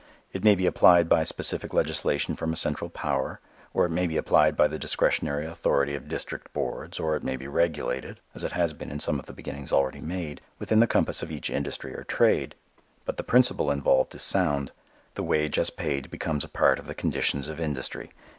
It may be applied by specific legislation from a central power, or it may be applied by the discretionary authority of district boards, or it may be regulated, as it has been in some of the beginnings already made, within the compass of each industry or trade. But the principle involved is sound. The wage as paid becomes a part of the conditions of industry.